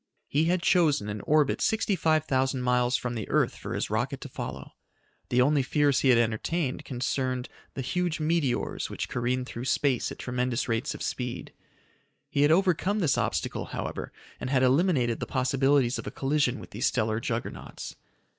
He had chosen an orbit sixty five thousand miles from the earth for his rocket to follow. The only fears he had entertained concerned the huge meteors which careened through space at tremendous rates of speed. He had overcome this obstacle, however, and had eliminated the possibilities of a collision with these stellar juggernauts.